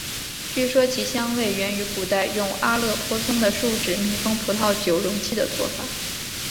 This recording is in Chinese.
据说其香味源于古代用阿勒颇松的树脂密封葡萄酒容器的做法。